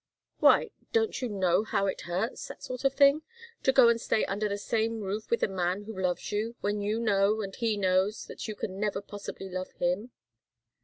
"Why don't you know how it hurts that sort of thing? To go and stay under the same roof with a man who loves you, when you know, and he knows, that you can never possibly love him?"